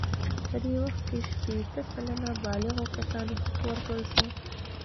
په دې وخت کې شپیته سلنه بالغو کسانو حق ورکړل شو.